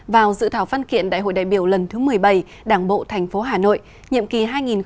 vào dự thảo phân kiện đại hội đại biểu lần thứ một mươi bảy đảng bộ tp hà nội nhiệm kỳ hai nghìn hai mươi hai nghìn hai mươi năm